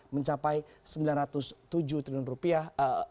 mencapai sembilan ratus tujuh triliun rupiah